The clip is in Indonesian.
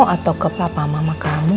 atau ke papa mama kami